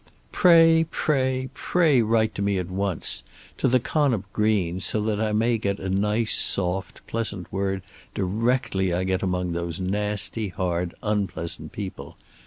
Pray, pray, pray write to me at once, to the Connop Greens, so that I may get a nice, soft, pleasant word directly I get among those nasty, hard, unpleasant people.